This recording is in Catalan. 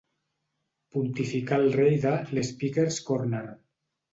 Pontifica el rei de l'Speaker's Corner—.